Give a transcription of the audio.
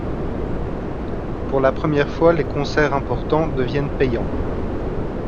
Pour la première fois, les concerts importants deviennent payants.